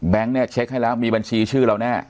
เนี่ยเช็คให้แล้วมีบัญชีชื่อเราแน่